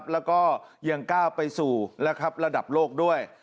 แล้วก็ยังก้าวไปสู่ระดับโลกด้วย